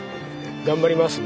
頑張ります僕。